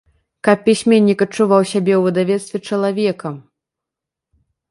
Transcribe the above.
Каб пісьменнік адчуваў сябе ў выдавецтве чалавекам!